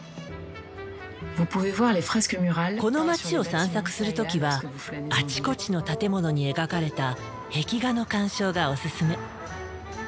この街を散策する時はあちこちの建物に描かれた壁画の鑑賞がお勧め。